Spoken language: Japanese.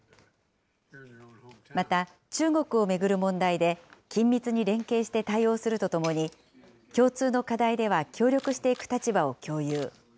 また、中国を巡る問題で緊密に連携して対応するとともに、共通の課題では協力していく立場を共有。